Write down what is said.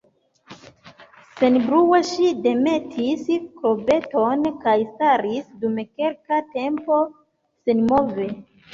Senbrue ŝi demetis korbeton kaj staris, dum kelka tempo, senmove.